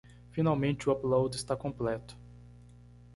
Finalmente o upload está completo